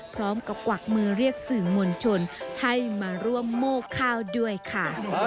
พร้อมกับกวักมือเรียกสื่อมวลชนให้มาร่วมโมกข้าวด้วยค่ะ